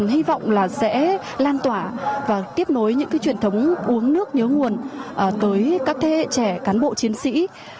hy vọng là sẽ lan tỏa và tiếp nối những truyền thống uống nước nhớ nguồn tới các thế hệ trẻ cán bộ chiến sĩ